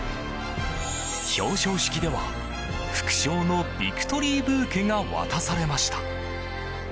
表彰式では副賞のビクトリーブーケが渡されました。